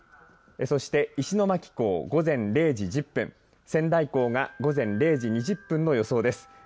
そして石巻港、午前０時１０分仙台港が午前０時２０分の予想です。